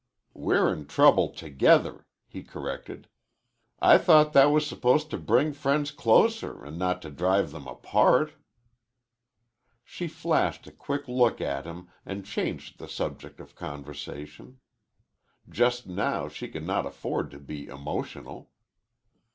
"We're in trouble together," he corrected. "I thought that was supposed to bring friends closer an' not to drive them apart." She flashed a quick look at him and changed the subject of conversation. Just now she could not afford to be emotional.